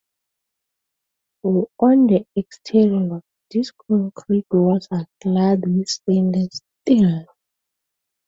On the exterior, these concrete walls are clad with stainless steel.